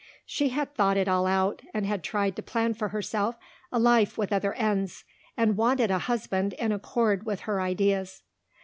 She had thought it all out and had tried to plan for herself a life with other ends, and wanted a husband in accord with her ideas.